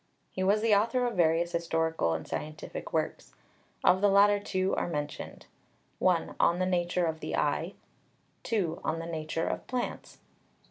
He was the author of various historical and scientific works. Of the latter two are mentioned (1) On the Nature of the Eye; (2) On the Nature of Plants.